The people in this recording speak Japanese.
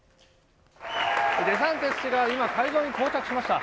デサンティス氏が今、会場に到着しました。